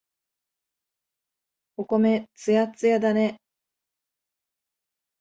お米、つやっつやだね。